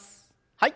はい。